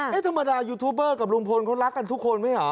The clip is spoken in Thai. ธรรมดายูทูบเบอร์กับลุงพลเขารักกันทุกคนไหมเหรอ